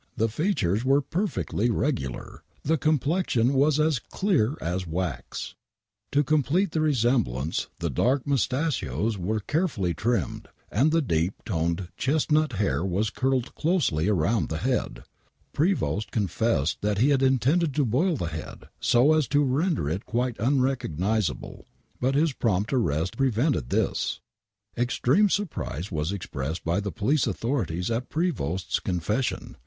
The features were perfectly regular ! The complexion was as clear as wax ! To complete the resemblance the dark miistachois were care fully trimmed, and the deep toned chestnut hair was curled closely round the head. Prevost confessed he had intended to boil the head so as to render it quite unrecognizable, but his prompt arrest prevented this !! Extreme surprise was expressed by the police authorities at Prevost's confession.